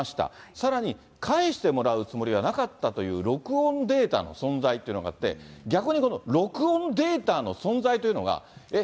さらに、返してもらうつもりはなかったという録音データの存在というのがあって、逆にこの録音データの存在というのが、えっ？